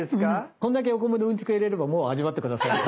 こんだけお米のうんちくを言われればもう味わって下さい。